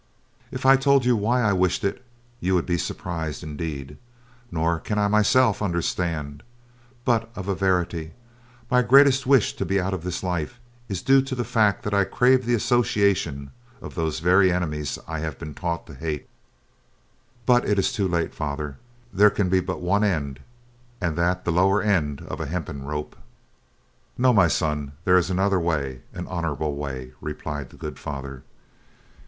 "If I told you why I wished it, you would be surprised indeed, nor can I myself understand; but, of a verity, my greatest wish to be out of this life is due to the fact that I crave the association of those very enemies I have been taught to hate. But it is too late, Father, there can be but one end and that the lower end of a hempen rope." "No, my son, there is another way, an honorable way," replied the good Father.